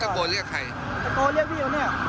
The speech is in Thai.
ตะโกเรียกพี่อยู่นี่รู้จักกัน